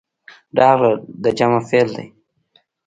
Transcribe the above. راغلل د جمع فعل دی.